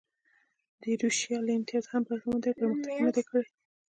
د ایروشیا له امتیازه هم برخمن دي او پرمختګ یې نه دی کړی.